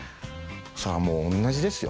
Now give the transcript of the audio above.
それはもう同じですよ。